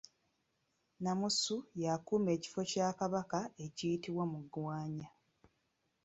Nnamusu y’akuuma ekifo kya Kabaka ekiyitibwa Mugwanya.